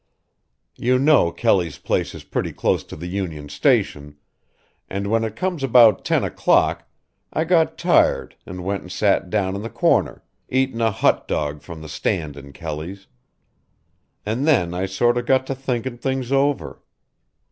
You know Kelly's place is pretty close to the Union Station and when it come about ten o'clock I got tired and went an' sat down in the corner, eatin' a hot dog from the stand in Kelly's an' then I sort of got to thinkin' things over.